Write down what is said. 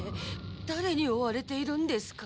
だれに追われているんですか？